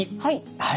はい。